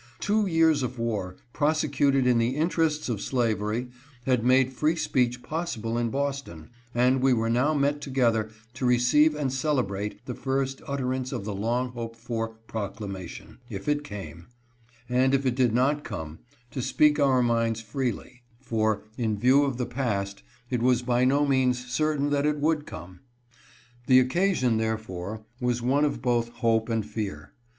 Two years of war, prosecuted in the interests of slavery, had made free speech possible in Boston, and we were now met together to receive and celebrate the first utterance of the long hoped for proclamation, if it came, and, if it 428 MEETING IN TREMONT TEMPLE. did not come, to speak our minds freely ; for, in view of the past, it was by no means certain that it would come. The occasion, therefore, was one of both hope and fear.